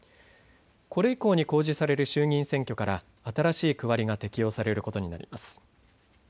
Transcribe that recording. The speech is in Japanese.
これ以降に公示される衆議院選挙から新しい区割りが適用されることになります。